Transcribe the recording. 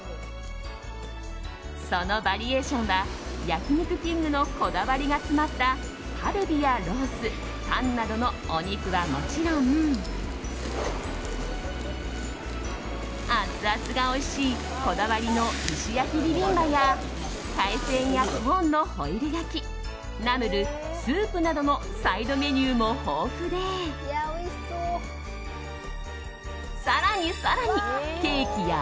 そのバリエーションは焼肉きんぐのこだわりが詰まったカルビやロースタンなどのお肉はもちろんアツアツがおいしいこだわりの石焼ビビンバや海鮮やコーンのホイル焼きナムル、スープなどのサイドメニューも豊富で更に更に、ケーキや